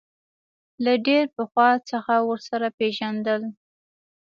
له ډېر پخوا څخه ورسره پېژندل.